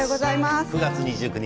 ９月２９日